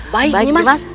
baik nyi mas